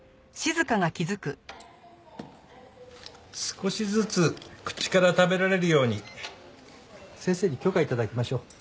少しずつ口から食べられるように先生に許可頂きましょう。